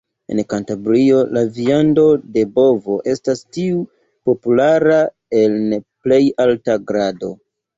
En Kantabrio la viando de bovo estas tiu populara en plej alta grado.